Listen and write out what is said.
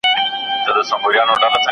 ¬ اوښ په غلبېل نه درنېږي.